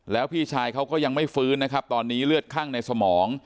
แล้วพี่ชายเขาก็ยังไม่ฟื้นนะครับตอนนี้เลือดคั่งในสมอง